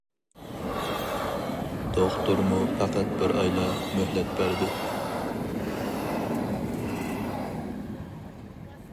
دوختۇرمۇ پەقەت بىر ئايلا مۆھلەت بەردى.